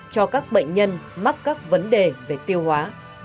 cho các bệnh nhân mắc các vấn đề về tiêu hóa